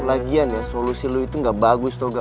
lagian ya solusi lo itu gak bagus dong